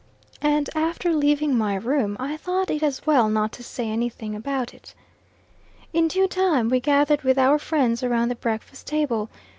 And after leaving my room, I thought it as well not to say any thing about it. In due time we gathered with our friends around the breakfast table.